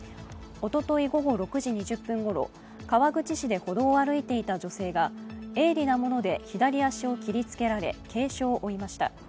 おととい午後６時２０分ごろ、川口市で歩道を歩いていた女性が鋭利なもので左足を切りつけられ軽傷を負いました。